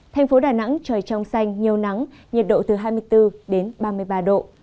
thành phố đà nẵng trời trong xanh nhiều nắng nhiệt độ từ hai mươi bốn đến ba mươi ba độ